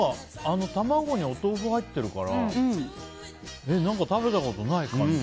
卵にお豆腐が入ってるから食べたことない感じ。